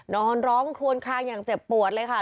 นอนร้องคลวนคลางอย่างเจ็บปวดเลยค่ะ